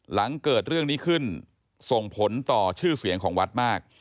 หลังเกิดเรื่องนี้ขึ้นส่งผลต่อชื่อเสียงของวัดมาก